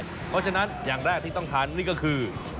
เพราะฉะนั้นอย่างแรกที่ต้องทานนี่ก็คือ